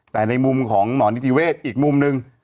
แต่ในมุมของหมอนิติเวศอีกมุมหนึ่ง